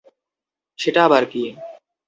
সেটা আবার কী?